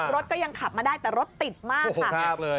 รถก็ยังขับมาได้แต่รถติดมากค่ะ